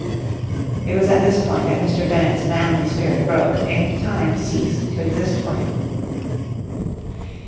It was at this point that Mr. Bennett's manly spirit broke and time ceased to exist for him.